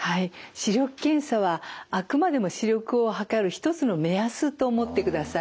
視力検査はあくまでも視力を測る一つの目安と思ってください。